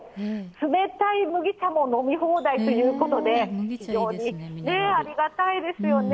冷たい麦茶も飲み放題ということで、非常にありがたいですよね。